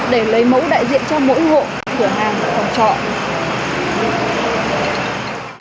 để lấy mẫu đại diện cho mỗi hộ cửa hàng phòng trọ